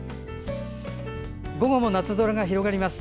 午後も夏空が広がります。